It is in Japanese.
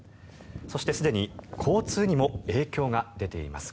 そして、すでに交通にも影響が出ています。